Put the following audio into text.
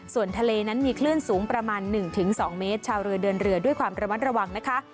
ส่วนทะเลนั้นมีคลื่นสูงประมาณ๑๒เมตรชาวเรือเดินเรือด้วยความระมัดระวังนะคะ